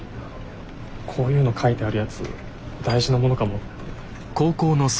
こういうの書いてあるやつ大事なものかもって。